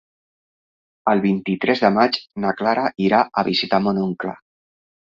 El vint-i-tres de maig na Clara irà a visitar mon oncle.